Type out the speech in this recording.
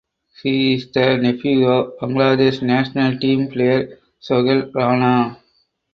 He is the nephew of Bangladesh national team player Sohel Rana.